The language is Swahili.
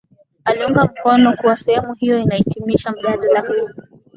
aliunga mkono kuwa sehemu hiyo inahitimisha mjadala huo